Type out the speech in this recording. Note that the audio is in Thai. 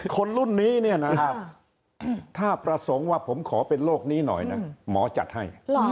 คนรุ่นนี้เนี่ยนะถ้าประสงค์ว่าผมขอเป็นโรคนี้หน่อยนะหมอจัดให้